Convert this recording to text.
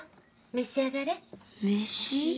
召し上がれ。